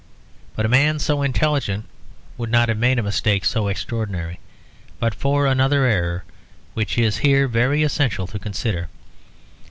But a man so intelligent would not have made a mistake so extraordinary but for another error which it is here very essential to consider.